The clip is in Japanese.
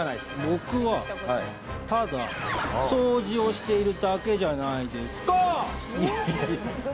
僕はただ掃除をしているだけじゃないですカァ。